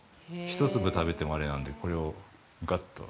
一粒食べてもあれなんで、これをガッと。